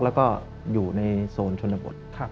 แล้วก็อยู่ในโซนชนบท